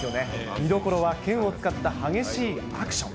見どころは剣を使った激しいアクション。